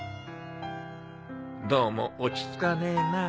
どうも落ち着かねえな